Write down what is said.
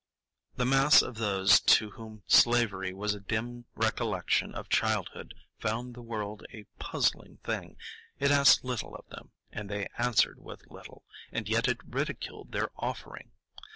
The mass of those to whom slavery was a dim recollection of childhood found the world a puzzling thing: it asked little of them, and they answered with little, and yet it ridiculed their offering.